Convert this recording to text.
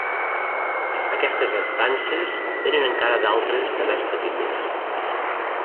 Aquestes estances tenen encara d'altres de més petites.